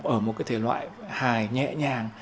ở một cái thể loại hài nhẹ nhàng